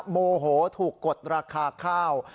โมโหถูกกดราคาข้าว